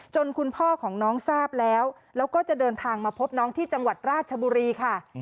คุณพ่อของน้องทราบแล้วแล้วก็จะเดินทางมาพบน้องที่จังหวัดราชบุรีค่ะ